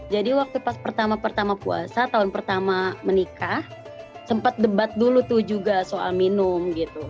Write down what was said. jadi waktu pas pertama pertama puasa tahun pertama menikah sempat debat dulu tuh juga soal minum gitu